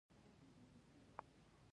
هندوکش د افغان کلتور په داستانونو کې راځي.